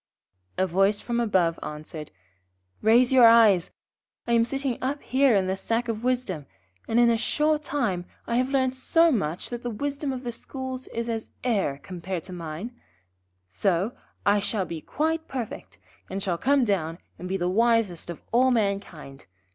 A voice from above answered: 'Raise your eyes, I am sitting up here in the Sack of Wisdom, and in a short time I have learnt so much that the wisdom of the schools is as air compared to mine. Soon I shall be quite perfect, and shall come down and be the wisest of all mankind.